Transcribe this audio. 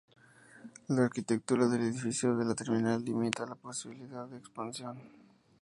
La arquitectura del edificio de la terminal limita la posibilidad de expansión.